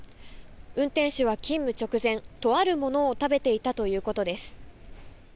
運転手は勤務直前、とあるものを食べていたということです。